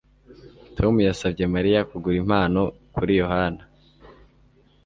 Tom yasabye Mariya kugura impano kuri Yohana